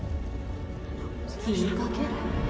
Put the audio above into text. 気にかける？